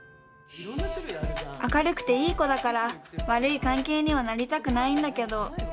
明るくていい子だから悪い関係にはなりたくないんだけど。